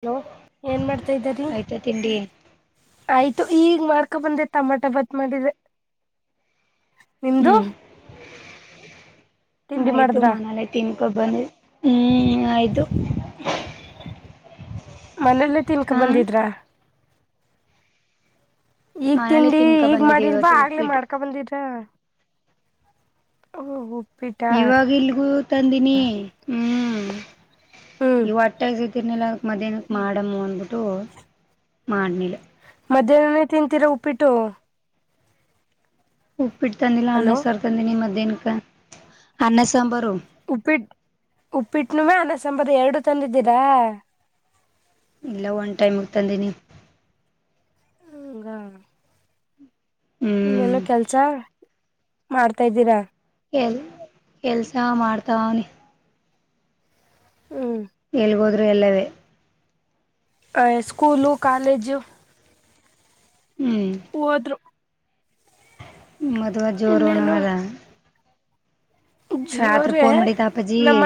Hello ಏನ್ ಮಾಡ್ತಾ ಇದ್ದರಿ ಆಯ್ತಾ ತಿಂಡಿ ಆಯ್ತು ಈಗ ಮಾಡ್ಕೊ ಬಂದೆ ಟಮಾಟ ಬತ್ ಮಾಡಿದೆ ನಿಮ್ದು ಹ್ಮ್ ತಿಂಡಿ ಮಾಡಿದ್ರ ಬಂದ ಹ್ಮ್ ಆಯ್ತು ಮನೇಲ್ಲ ತಿನ್ಕ ಹಾ ಬಂದಿದ್ರ ಈಗ್ ಮನೇಲೆ ತಿಂಡಿ ತಿನ್ಕೊ ಈಗ್ ಬಂದಿದ್ದೆ ಮಾಡಿಲ್ವಾ ಇವತ್ತು ಆಗ್ಲೆೇ ಉಪ್ಪಿಟ್ಟು ಮಾಡ್ಕೊ ಬಂದಿದ್ರ ಓಹ ಇವಾಗ ಇಲ್ಗೂ ತಂದಿನಿ ಹ್ಮ್ ಹ್ಮ್ ಇವಟ್ಟ ತಿರ್ನಲಕ್ ಮಧ್ಯಾಹ್ನಕ್ಕೆ ಮಾಡಮ್ಮ ಅಂದಬಿಟ್ಟು ಮಾಡನೇಲೆ ಮಧ್ಯಾಹ್ನನೆ ತಿಂತೀರಾ ಉಪ್ಪಿಟ್ಟು ಉಪ್ಪಿಟ್ಟ ತಂದಿಲ್ಲಾ ಅನ್ನ ಅಲೋ ಸಾರ್ ತಂದಿನಿ ಮದೇನಕ ಅನ್ನ ಸಾಂಬಾರು ಉಪ್ಪಿಟ್ಟ ಉಪ್ಪಿಟ್ಟನುಮ್ಮ ಅನಸಂಬರ್ ಎರಡು ತಂದಿದ್ದೀರಾ ಇಲ್ಲ ಒನ್ ಟೈಮ್ ಹತಂದನಿ ಅಂಗ ಹ್ಮ್ ಇನ್ನೇನು ಕೆಲ್ಸ ಮಾಡ್ತಾ್ದೀರಾ ಕೆಲ್ ಕೆಲಸ ಮಾಡ್ತಾವ ಅವನಿ ಹ್ಮ್ ಎಲ್ಗೋದ್ರು ಎಲ್ಲವೇ ಸ್ಕೂಲು ಕಾಲೇಜು ಹ್ಮ್ ಹೋದರು ಮದ್ವ ಜೋರು ಒನ ಅದ ಜೋರ ಮಾಡಿದ್ದ ಅಪ್ಪಾಜಿ ನಮ್ಮ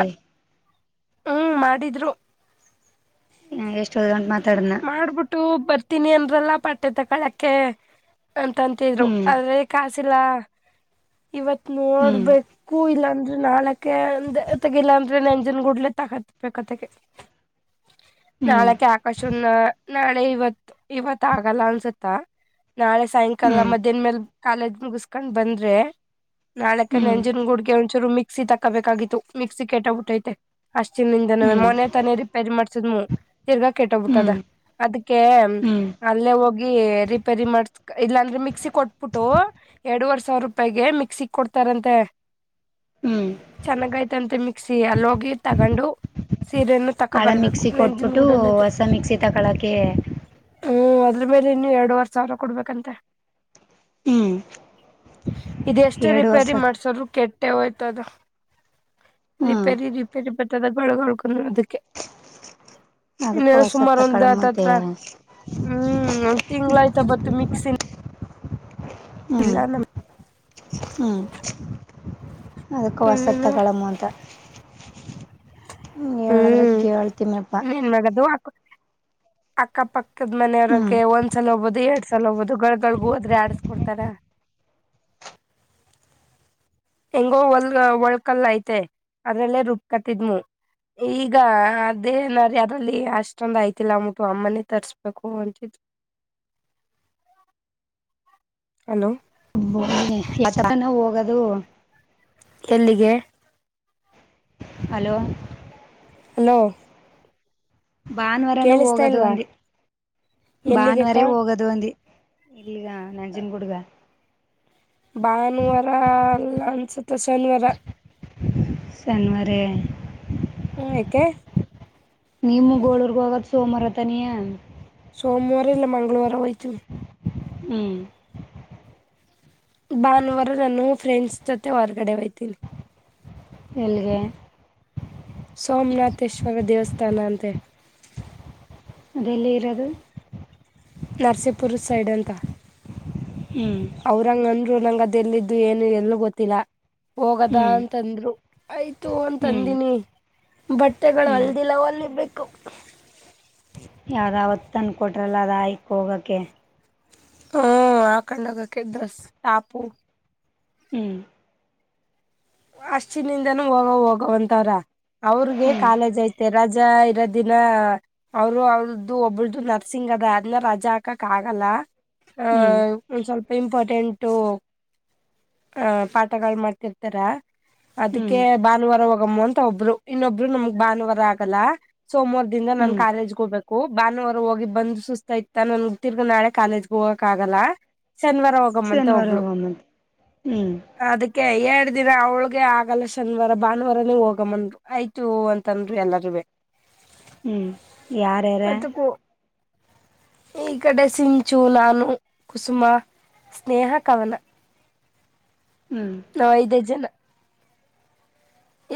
ಹ್ಮ್ ಮಾಡಿದ್ರು ಎಷ್ಟಂ ಮಾಡ್ಬಿಟ್ಟು ಬರ್ತೀನಿ ಅಲ್ಲಾ ಪಟ್ಟೇತ ಕಳಕ್ಕೆ ಅಂತ ಅಂತಿದ್ರು ಹ್ಮ್ ಆದ್ರೆ ಕಾಸಿಲ್ಲ ಇವತ್ ಹ್ಮ್ ನೋಡ್ಬೇಕು ಇಲ್ಲಾಂದ್ರೆ ನಾಳಕ ಅಂದ ತಗಲ್ಲಾಂದ್ರೆ ನಂಜನ್ ಗುಡ್ಲ ತಗತ್ಬೇಕತೆಕ್ಕೆ ಹ್ಮ್ ನಾಳಕ್ಕೆ ಆಕಾಶ ನಾಳೆ ಇವತ್ ಇವತ್ ಆಗಲ್ಲ ಅನ್ಸತ್ತ ನಾಳೆ ಸಾಯಂಕಾಲ ಹ್ಮ್ ಮಧ್ಯಾಹನ್ ಮೇಲ್ ಕಾಲೇಜ್ ಮುಗಿಸಕೊಂಡ್ ಬಂದ್ರೆ ನಾಳಕ ಹ್ಮ್ ನಂಜನ್ ಗುಡ್ಗ ಒಂದಚೂರು ಮಿ ಮಿಕ್ಸಿ ತಕ್ಕೋಬೇಕಾಗಿತ್ತು ಮಿಕ್ಸಿ ಕೆೇಟಬಟ್ಟೈತೆ ಅಷ್ಟಿನಿಂದನ ಹ್ಮ್ ಮನೆ ತ ರಿಪೇರ್ ಮಾಡ್ ತಿರ್ಗಾ ಕೆಟ್ಟ್ಬಿಟ್ಟದ ಹ್ಮ್ ಅದಕ್ಕೆ ಹ್ಮ್ ಅಲ್ಲೇ ಹೋಗಿ ರಿಪೇರಿ ಮಾಡಸ್ ಇಲ್ಲಾಂದ್ರೆ ಮಿಕ್ಸಿ ಕೊಟ್ಬಿಟ್ಟು ಎರಡುವರೆ ಸಾವಿರ ರೂಪಾಯಿಗೆ ಏ ಮಿಕ್ಸಿಗೆ ಕೊಡ್ತಾರಂತೆ ಹ್ಮ್ ಚೆನ್ನಾಗಾಯ್ತಂತೆ ಮಿಕ್ಸಿ ಅಲ್ಲಿೋಗಿ ತಗೊಂಡು ಸೀರೆಯನ್ನು ತಕ್ಕೋ ಬರಬೇಕು ನೆಂಜಿನ ಗೂಡನೇ ತ ಕಳಕ್ಕೆ ಹ್ಮ್ ಅದ್ರ ಮೇಲೆ ಇನ್ನು ಎರಡುವರೆ ಸಾವಿರ ಕೊಡ್ಬೇಕಂತೆ ಹ್ಮ್ ಇ ಎಷ್ಟೇ ಎರಡು ವರ್ಷ ರಿಪೇರಿ ಮಾಡ್ಸಾರರು ಕೆ ಯ್ತದ ಹ್ಮ್ ರಿಪೇರಿ ರಿಪೇರಿ ಬ ದ ಬಳ ಕೊಳ್ಕ ಅದಕ್ಕೆ ಅದಕ್ಕ ಇನ್ನು ವಸತಿ ಸುಮಾರು ತಕ್ಕಳ ಒಂದ್ ಮತ್ತೆ ಹತ್ತತ್ರ ಹ್ಮ್ ಒಂದ್ ತಿಂಗ್ಳ ಆಯ್ತ ಬತ್ತು ಮಿಕ್ಸಿ ಹ್ಮ್ ಇಲ್ಲ ನಮ್ ಹ್ಮ್ ಅದಕ್ಕೆ ವಸಂತ ಇನ್ನೇನು ಕಳಮ್ಮ ಅಂತ ಹ್ಮ ಹೇಳದ್ರೆ ಹ್ಮ್ ಕೇಳ್ತಮ್ಯಪ್ಪಾ ಇನ್ನೇನ್ ಮಾಡೋದು ಅಕ್ ಅಕ್ಕಪಕ್ಕದ ಹ್ಮ್ ಮನೆಯವ್ರಗೆ ಒಂದ್ಸಲ ಹಬ್ಬದು ಎಡ್ಸಲ್ ಹೋಗಬೋುದು ಗಗಳಗೊಳ್ಗ ಹೋದ್ರೆ ಆಡ್ಸ್ಕೊಡ್ತಾರ ಹೆಂಗೋ ಒಲ್ ಒಳ್ಕಲ್ ಐತೆ ಅದ್ರಲ್ಲೇ ರುಬ್ಕತಿದ್ಮ ಈಗ ಅದೇನಾರ ಯಾರಲ್ಲಿ ಅಷ್ಟೊಂದ ಆಯ್ತಿಲ್ಲ ಅಂದಟ್ಟು ಅಮ್ಮನೇ ತರ್ಸ್ಬೇಕು ಅಂತಿದು [unintelligible] ಹಲೋ ಚಾನ ಹೋಗದು ಎಲ್ಲಿಗೆ ಹಲೋ ನ ಭಾನುವಾರನು ಹೋಗೋದು ಒಂದು ಎಲ್ಲಿಗೆಕ್ಕ ಭಾನುವಾರೇ ಹೋಗೋದು ಒಂದು ಇಲ್ಲಿಗ ನಂಜನ್ಗೂಡುಗ ಭಾನುವಾರ ಎಲ್ಲ ಅನ್ಸುತ್ತ ಶನಿವಾರ ಶನ್ವರೆ ಹ್ಮ ಕೆ ನಿಮ್ಮ ಗೋಳೂರ್ಗ ಹೋಗತ್ ಸೋಮಾರ ತನಿಯಾ ಸೋಮವಾರ ಇಲ್ಲ ಮಂಗಳವಾರ ವಹಿತು ಹ್ಮ್ ಭಾನುವಾರ ನಾನು ಫ್ರೆಂಡ್ಸ್ ಜೊತೆ ಹೊರ್ಗಡೆ ಹಯ್ತೀನಿ ಎಲ್ಲಿಗೆ ಸೋಮನಾಥೇಶ್ವರ ದೇವಸ್ಥಾನ ಅಂತೆ ಅದೆಲ್ಲ ಇರದು ನರಸೀಪುರ ಸೈಡ್ ಅಂತ ಹ್ಮ್ ಅವರಂಗಂದ್ ನಂಗದು ಎಲ್ಲಿದ್ದು ಏನು ಎಲ್ಲೂ ಗೊತ್ತಿಲ್ಲ ಹೋಗದ ಹ್ಮ್ ಅಂತಂದ್ರು ಆಯ್ತು ಅಂತ ಹ್ಮ್ ಅಂದಿನಿ ಬಟ್ಟೆಗಳು ಹ್ಮ್ ವಲ್ದಿಲ್ಲವಲ್ಲಿ ಬೇಕು ಯಾವ್ದಾವತ್ತನ್ ಕೊಟ್ರಲ್ಲ ಅ ಹಾಯಕ್ ಹೋಗಕೆ ಹ್ಮ ಹಾಕೊಂಡ ಹೋಗೋಕೆ ಡ್ರೆಸ್ ಟಾಪು ಹ್ಮ್ ಅಷ್ಟಿನಿಂದನೂ ಹೋಗ ಹೋಗವಂತವ್ರ ಅವ್ರಗೆ ಹ್ಮ್ ಕಾಲೇಜ್ ಐತೆ ರಜ್ ರಜಾ ಇರೋ ದಿನ ಅವರು ಅವ್ರ್ದು ಒಬ್ಬಳ್ದು ನರ್ಸಿಂಗ್ ಅದ ಅದ್ನ್ನ ರಜಾ ಹಾಕಕ್ ಆಗಲ್ಲ ಹ ಹ್ಮ್ ಒಂದ್ ಸ್ವಲ್ಪ ಇಂಪಾರ್ಟೆಂಟ್ ಪಾಠಗಳು ಮಾಡ್ತಿರ್ತಾರ ಅದಕ್ಕೆ ಹ್ಮ್ ಭಾನುವಾರ ಹೋಗಮ್ಮ ಅಂತ ಒಬ್ರು ಇನ್ನೊಬ್ರು ನಮ್ಗ್ ಭಾನುವಾರ ಆಗಲ್ಲ ಸೋಮವಾರ ದಿಂದ ನಾನ್ ಹ್ಮ್ ಕಾಲೇಜ್ಗೆ ಹೋಗ್ಬೇಕು ಟು ಭಾನುವಾರ ಹೋಗಿ ಬಂದ್ ಸುಸ್ತ ಇತಾನನ್ ತಿರ್ಗ ನಾಳ ಕಾಲೇಜ್ಗೆ ಹೋಗಕ್ ಆಗಲ್ಲ ಶನಿವಾರ ಹೋಗಮ್ಮಂತ ಶನಿವಾರ ಒಬ್ಳು ಹೋಗಮ್ಮಂತೆ ಹ್ಮ್ ಅದಕ್ಕೆ ಎ ಅವ್ಳಗೆ ಆಗಲ್ಲ ಶನಿವಾರ ಭಾನುವಾರನೇ ಹೋಗಮ್ಮನ್ರು ಆಯ್ತು ಅಂತನ್ರು ಎಲ್ಲರೂವೆ ಹ್ಮ್ ಯಾರ್ಯಾರ ಮತ್ತೆ [unintelligible] ಈ ಕಡೆ ಸಿಂಚು ನಾನು ಕುಸುಮ ಸ್ನೇಹ ಕವನ ಹ್ಮ್ ನಾ ಐದೆ ಜನ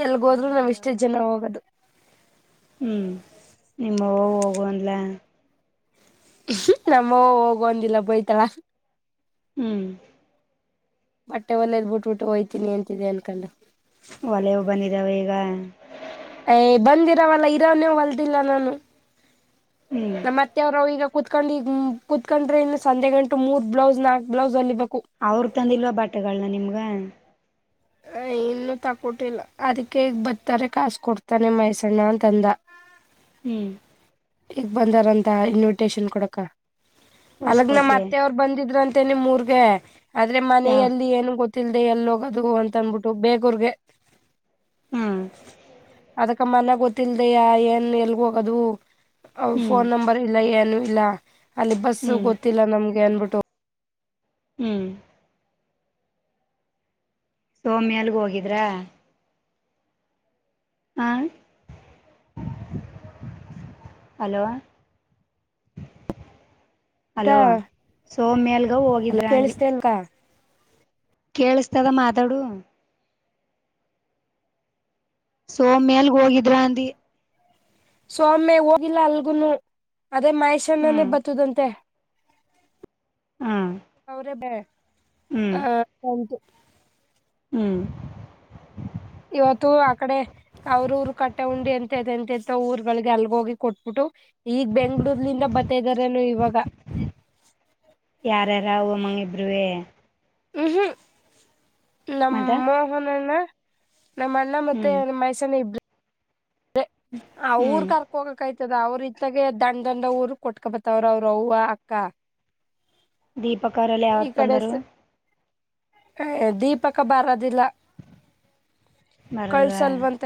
ಎಲ್ಗೋದ್ರು ನಾವ್ ಇಷ್ಟೇ ಯಾರ್ಯಾರು ಜನ ಹೋಗದು ಹ್ಮ್ ನಿಮ್ಮವ್ವ ಹೋಗು ಅಂದ್ಲ ನಮ್ಮ ಹೋಗುವಂದಿಲ್ಲ ಬಯ್ತಾಳ ಹ್ಮ್ ಬಟ್ಟೆ ವಲ್ಯದ್ ಬಿಟ್ಬಿಟ್ಟು ಹೋಯ್ತೀನಿ ಅಂತಿದೆ ಅನ್ಕೊಂಡು ಒಲೆವು ಬಂದಿದ್ದಾವ ಈಗ ಯ ಬಂದಿರವಲ್ಲ ಇರೋನೇ ಹೊಲ್ದಿಲ್ಲ ನಾನು ಹ್ಮ್ ನಮ್ಮತ್ತೆವರ ಈಗ ಕೂತ್ಕೊಂಡು ಈ ಕೂತ್ಕೊಂಡ್ರೆ ಇನ್ನು ಸಂಜೆ ಗಂಟು ಮೂರ್ ಬ್ಲೌಸ್ ನಾಲ್ಕ್ ಬ್ಲೌಸ್ ವಲ್ಲಿ ಬೆ ಅವ್ರ ತಂದಿಲ್ವ ಬಾಟೆಗಳನ ನಿಮ್ಗ ಹ ಇನ್ನು ತಕೊಟ್ಟಿಲ್ಲ ಅದಕ್ಕೆ ಈಗ ಬರ್ತಾರೆ ಕಾಸ ಕೊಡ್ತ ಮಹೇಶಣ್ಣ ಅಂತಂದ ಹ್ಮ್ ಈಗ ಬಂದಾರಂತ ಇನ್ವಿಟೇಶನ್ ಕೊಡಕ ಅಲಗ್ ನಮ ಹೊಸ್ಕೋಟ್ಗೆ ಮತ್ತೆ ಅವರು ಬಂದಿದ್ರ ಅಂತ ನಿಮ್ ಊರ್ ಆದ್ರೆ ಯಾವ ಮನೆಯಲ್ಲಿ ಏನು ಗೊತ್ತಿಲ್ಲದೆ ಎಲ್ಲೂಗೋದು ಅಂತ ತಂದ್ಬಿಟ್ಟು ಬೇಕೂರ್ಗೆ ಹ್ಮ್ ಅದ ಅ ಮನ ಗೊತ್ತಿಲ್ದಯ ಏನ್ ಎಲ್ಗ ಹೋಗೋದು ಹ್ಮ್ ಫೋನ್ ನಂಬರ್ ಇಲ್ಲ ಏನ್ ಇಲ್ಲ ಅಲ್ಲಿ ಬಸ್ಸು ಹ್ಮ್ ಗೊತ್ತಿಲ್ಲ ನಮ್ಗೆ ಅನ್ಬಿಟ್ಟು ಹ್ಮ್ ಸೌಮ್ಯ ಅಲ್ಲಿಗೆ ಹೋಗಿದ್ರಾ ಆ ಹಲೋ ಆಯ್ತಾ ಅಲೋ ಸೋಮ್ಯಲ್ಗ ಅಲ್ಲ ಹೋಗಿದ್ರ ಅಂದಿ ಕೇಳಿಸ್ತಾ ಇಲ್ವಾ ಕೇಳಿಸತದ ಮಾತಾಡು ಸೋಮ್ಯಲ್ಗ ಹೋಗಿದ್ರ ಅಂದಿ ಸೌಮ್ಯ ಹೋಗಿಲ್ಲ ಅಲ್ಗುನು ಅದೇ ಮಾಹಶ್ಣನೆೇ ಹ್ಮ್ ಬತದಂತೆ ಹ್ಮ್ ಅವ್ರೇ ಬೇ ಹ್ಮ್ ಹ ಅಂತು ಹ್ಮ್ ಇವತ್ತು ಆ ಕಡೆ ಅವ್ರ ರು ಕಟ್ಟೆ ಉಂಡಿ ಎಂತ ಎಂತಂತ ಊರ್ಗಳಿಗೆ ಅಲ್ಗೋಗಿ ಕೊಟ್ಬಿಟ್ಟು ಈಗ ಬೆಂಗಳೂರಿನಿಂದ ಬಂ ತ್ತಾರೇನು ಇವಾಗ ಬರುವೆ ಹ್ಮ್ ಹ್ಮ್ ನಮ್ಮ ಮತ್ತ ಮೋಹನಣ್ಣ ನಮ್ಮ ಅಣ್ಣ ಮತ್ತೆ ಹ್ಮ್ ನಮ್ ಮಹೇಸಣ್ಣ ಇಬ್ಬ್ರೆ ಅವ್ರ ಹ್ಮ್ ಕರ್ಕ ಹೋಗಕ್ಯ್ತ ಇದ ಅವ್ರ ಇತ್ತಗೆ ದಂಡ್ ದಂಡ ಊರ್ ಕೊಟ್ಕೊಬತ್ತವ್ರ ಅವ್ರ ಅವ್ವ ಅಕ್ಕ ದೀಪಕ್ಕರೆಲ್ಲ ಯಾವತ್ ಬಂದರು ಏ ದೀಪಕ ಬಾರದಿಲ್ಲ ಬರಲ್ವಾ ಕಳ್ಸಲ್ವಂತ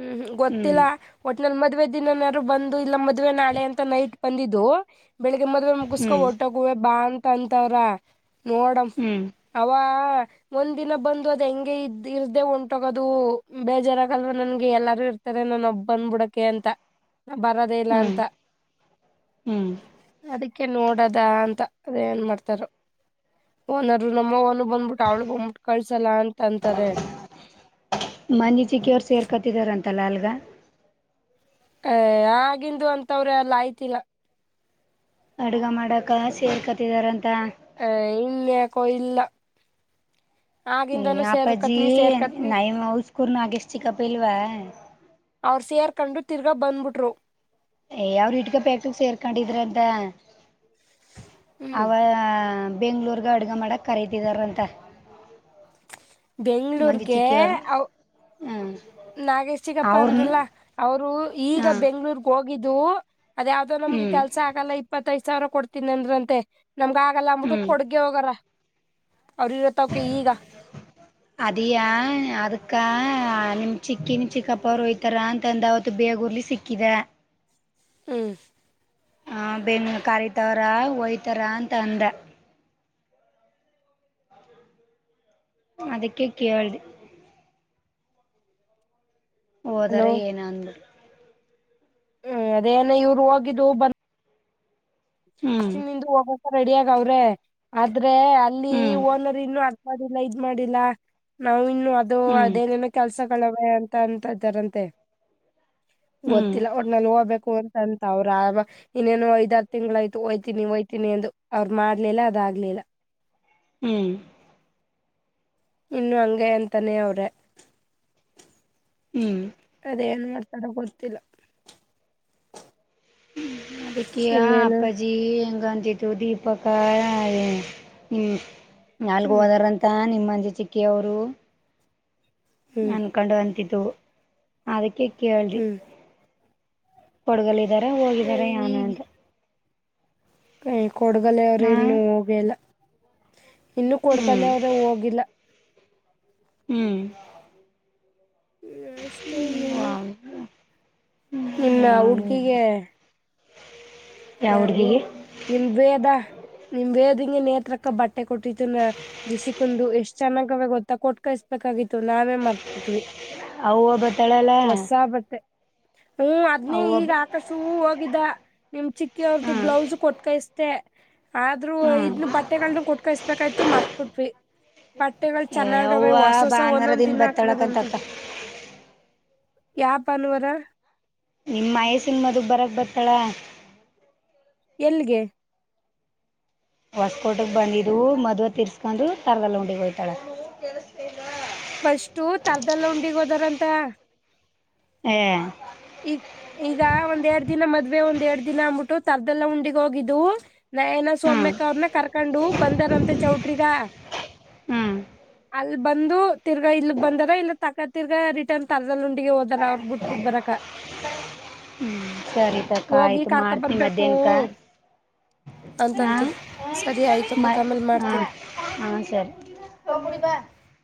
ಹ್ಮ್ ಹ್ಮ್ ಗೊತ್ತಿಲ್ಲಾ ಒಟ್ಲ್ ಮತ್ತೆ ಮದ್ವೆ ದಿನಾರು ಬಂದು ಇಲ್ಲ ಮದ್ವೆ ನಾಳೆ ಅಂತ ನೈಟ್ ಬಂದಿದ್ದು ಬೆಳಿಗ್ಗೆ ಮದ್ವೆ ಮುಗಸ್ಕೊ ಹ್ಮ್ ಒಟ್ಟಗುವೆ ಬಾ ಅಂತ ಅಂತವ್ರ ನೋಡಮ ಹ್ಮ್ ಅವ್ವ ಒಂದ ದಿನ ಬಂದು ಅದ ಹೆಂಗೆ ಇದ್ದು ಇರ್ದೆ ಉಂಟಾಗೋದು ಬೇಜಾರಾಗಲ್ವಾ ನನ್ಗೆ ಎಲ್ಲಾರು ಇರ್ತಾರೆ ನಾನೊಬ್ಬ ಬಂದಬುಡಕೆ ಅಂತ ನ ಬರದ ಇಲ್ಲ ಹ್ಮ್ ಅಂತ ಹ್ಮ್ ಅದಕ್ಕೆ ನೋಡದ ಅಂತ ಅದೇ ಏನ್ ಮಾಡ್ತಾರ ಓನರು ನಮ್ಮ ಮೊ ಬಂದ್ಬಿಟ್ಟು ಅವ್ಳಗ್ ಮುಟ್ ಕಳ್ಸಲ್ಲ ಅಂತ ಅಂತಾರೆ ಮನಿಜಿಕಿಯವರು ಸೇರ್ಕೊತಿದಾರಂತಲ್ಲ ಅಲ್ಗ ಏ ಆಗಿಂದು ಅಂತವ್ರ ಎಲ್ಲ ಆಯ್ತಿಲ್ಲ ಅಡ್ಗ ಮಾಡಕ ಸೇ ಕತ್ತಿದಾರಂ ಹೇ ಇಲ್ಲಾಕೋ ಇಲ್ಲ ಏ ಆಗಿಂದನೂ ಅಪ್ಪಾಜಿ ಸೇರ್ಕತ್ನಿ ಸೇರ್ಕತ್ನಿ ನಯ ಹೌ ಸ್ಕೂಲ್ ಹಾಗೆ ಚಿಕ್ಕಪ್ಪ ಇಲ್ವಾ ಸೇರ್ಕಂಡು ತಿರ್ಗಾ ಬಂದ್ಬಿಟ್ರು ಏ ಯಾವ್ರ ಇಟ್ಗ ಪ್ಯಾಕ್ಕ್ ಸೇರ್ಕೊಂಡಿದ್ರ ಅಂತ ಹ್ಮ್ ಅವ ಬೆಂಗ್ಳೂರ್ಗ ಅಡ್ಗ ಮಾಡಕ್ ಕರೀತಿದಾರಂತ ಬೆಂಗ್ಗಳೂರ್ಗೆ ಅವ ಹ್ಮ್ ನಾಗೇಶ್ ಚಿಕ್ಕಪ್ಪ ಅವ್ರನ್ನ ಅಂದ್ರಲ್ಲ ಅವರು ಈಗ ಹ ಬೆಂಗ್ಳೂರ್ಗ್ ಹೋಗಿದ್ದು ಅದಾವ್ದೋ ನಮಗೆ ಹ್ಮ್ ಕೆಲ್ಸ ಆಗಲ್ಲ ಇಪ್ಪತ್ತೈದು ಸಾವಿರ ಕೊಡ್ತೀನಿ ಅಂದ್ರಂತೆ ನಮ್ಗ ಆಗಲ್ಲ ಅಂಬಬಿಟ್ಟು ಕೊಡ್ಗೆ ಹೋಗಾರ ಅವ್ರ ಇರತ್ತವಕ ಈಗ ಅದಿಯಾ ಅದಕ್ಕಾ ಹಾ ನಿಮ್ ಚಿಕ್ಕಿ ನಿಮ್ ಚಿಕ್ಕಪ್ಪ ಅವರು ಹೊಯ್ತಾರ ಅಂತಂದ ಅವತ್ತು ಬೇಗೂರ್ಲಿ ಸಿಕ್ಕಿದ ಹ್ಮ್ ಹ ಬೆನ್ನು ಕರಿತವರ ಒಯ್ತಾರ ಅಂತ ಅಂದ ಅದಕ್ಕೆ ಕೇಳ್ದೆ ಹೋದಾರ ಹಲೋ ಏನ ಅಂದು ಹ್ಮ್ ಅದೇನ ಇವ್ರು ಹೋಗಿದ್ದು ಬ ಹ್ಮ್ ಮಿಂದ ಹೋಗಕ ರೆಡಿ ಆಗಾವ್ರೆ ಆದ್ರೆ ಅಲ್ಲಿ ಹ್ಮ್ ಓನರ್ ಇನ್ನು ಅದ್ನ ಮಾಡಿಲ್ಲ ಇದ್ ಮಾಡಿಲ್ಲಾ ನಾವವು ಇನ್ನು ಅದು ಹ್ಮ್ ಅದೇನೇನೋ ಕೆಲ್ಸ ವಯ ಅಂತ ಅಂತ ಇದ್ದಾರಂತೆ ಹ್ಮ್ ಗೊತ್ತಿಲ್ಲ ಒಟ್ನಲ್ಲಿ ಹೋಗ್ಬೇಕು ಕೋತಂತ್ ಅಂತ ಅವ್ರ ಇನ್ನೇನು ಐದ ತಿಂಗ್ಯ್ತು ಒಯ್ತೀನಿ ಒಯ್ತೀನಿ ಅ ಎಂದು ಅವ್ರು ಮಾಡ್ಲಿಲ್ಲ ಅದ ಆಗ್ಲಿಲ್ಲ ಹ್ಮ್ ಇನ್ನು ಹಂಗೆ ಅಂತಾನೆ ಅವ್ರೆ ಹ್ಮ್ ಅದೇನ್ ಮಾಡ್ತ ತಡ ಗೊತ್ತಿಲ್ಲ ಹ್ಮ್ ಅದಕ್ಕಿಯಾ ಇನ್ನೇನು ಅಪ್ಪಾಜಿ ಎಂಗ ಿತು ದೀಪಕ ನಿ ನಾಲ್ಗ ಹ್ಮ್ ಹೋದಾರಂತ ನಿಮ್ಮಜಿ ಚಿಕ್ಕಿ ಅವರು ಹ್ಮ್ ನನ್ಕಂಡುುವಂತತ್ತುವು ಅದಕ್ಕೆ ಕೇಳ್ದೆ ಹ್ಮ್ ಕೊಡ್ಗಲಿದಾರ ಹೋಗಿದಿದ್ದಾರೆ ಯಾನ ಅಂತ ಕೈ ಕೊಡ್ಗಲೆ ಅವರು ಹಾ ಇನ್ನುೂ ಹೋಗಿಲ್ಲ ಇನ್ನುೂ ಕೊಡ್ಕಲ್ಲ ಹ್ಮ್ ಅವ್ರ ಹೋಗಿಲ್ಲ ಹ್ಮ್ ಅಷ್ಟೇನ್ನೇನು ನಿಮ್ನ ಹುಡ್ಗಿಗೆ ಯಾವ ಯಾರ್ಿಗೆ ಹುಡ್ಗಿಗೆ ನಿಮ ವೇದ ನಿಮ್ ವೇದಿಂಗೆ ನೇತ್ರಕ್ಕ ಬಟ್ಟೆ ಕೊಟ್ಟತ್ತುು ಲಿಸಿಕಂದು ಎಷ್ಟ್ ಚೆನ್ನಾಗ ಅವ ಗೊತ್ತಾ ಕೊಟ್ಟ ಕ ಹಾಗಿತ್ತು ನಾವೇ ಮತ್ಬಿಟ್ವಿ ಅವುವು ಬತಾಳಲ್ಲ ಹ್ಮ ಅದ್ನೇ ಈಗ ಆಕ ಶೂ ಹೋಗಿದ್ದ ನಿಮ್ ಚಿಕ್ಕಿ ಅವ್ರ್ದ ಹ್ಮ್ ಬ್ಲೌಸ್ ಕೊಟ್ಕತ ಅಷ್ಟೇ ಆದ್ರೂ ಹ್ಮ್ ಇದನ್ನ ಬಟ್ಟೆಗಳನ್ನ ಕೊಟ್ಕಸ್ಬೇಕಾಯ್ತು ಮರ್ತ್ಬಿಟ್ವಿ ಬಟ್ಟೆಗಳು ಏ ಚೆನ್ನಾಗಾವೆ ಅವ್ವ ಹೊಸ ಹೊಸ ಭಾನುವಾರ ಒಂದೊಂದ್ ದಿನ ಹಾಕಿರದಂತೆ ಬತ್ತಾಳಕಂತಕ್ಕ ಯಾ ಪಾನುವರ ನಿಮ್ಮ್ಯಸ್ಸಿನ ಮದುಗ್ ಬರಕ್ ಬರ್ತಾಳ ಎಲ್ಲಿಗೆ ಹೊಸಕೋಟೆಗೆ ಬಂದಿದ್ದವು ಮದ್ುವ ತರ್ಸ್ಕೊಂಡು ತರದಲ್ಲ ಉಂಡಿ ಹೋಯ್ತಾಳೆ ಬಸ್ು ತರದೆಲ್ಲ ಉಂಡಿಗ್ ಹೋದಾರಂತ ಹ ಈಗ ಈಗ ಒಂದ್ೆರಡ್ ದಿನ ಮದ್ವೆ ಒಂದ್ೆರಡ್ ದಿನ ಅಂದಬಿಟ್ಟು ತರ್ದೆಲ್ಲ ಉಂಡಿಗ್ ಹೋಗಿದ್ದವು ನಯನ ಹ್ಮ್ ಸೌಮ್ಯಕ್ಕ ಅವ್ರನ್ನ ಕರ್ಕೊಂಡು ಬಂದಾರಂತೆ ಚೌಟ್ರಿಗ ಹ್ಮ್ ಅಲ್ ಬಂದು ತಿರ್ಗಾ ಇಲ್ಲಿ ಬಂದಾರ ಇಲ್ಲ ತಕ್ಕ ತಿರ್ಗ ರಿಟರ್ನ್ ತರದಲ್ಲ ಉುಂಡಿಿಗೆ ಹೋದಾರ ಅವ್ರಗ್ ಬಿಟ್ಬುಡ್ ಬರಕ ಹ್ಮ್ ಸರಿತಕ್ಕ ಹೋಗಿ ಆಯ್ತು ಕರ್ಕ ಮಾಡ್ತನ ಬರ್ಬೇಕು ಮಧ್ಯಾಹನಕ ಹಾ ಅಂತಂತಿರು ಸರಿ ಆಯ್ತು ಮ ಅಕ್ಕ ಆಮೇಲ್ ಹ ಮಾಡ್ತೀನಿ. ಹಾ ಸರಿ ಹ ಮುಡಿವಾ